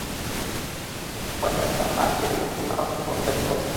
প্রতিরক্ষা গোয়েন্দাদের ধারণার চেয়ে দ্বিগুণ পরিমাণ পারমাণবিক অস্ত্র মজুত করেছে দেশটি।